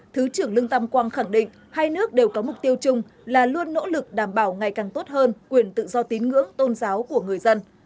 thứ trưởng lương tam quang khẳng định hai nước đều có mục tiêu chung là luôn nỗ lực đảm bảo ngày càng tốt hơn quyền tự do tín ngưỡng tôn giáo của người dân